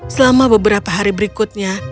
selama beberapa hari berikutnya